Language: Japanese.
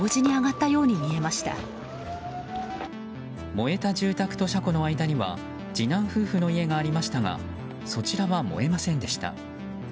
燃えた住宅と車庫の間には次男夫婦の家がありましたがそちらは燃えませんでした。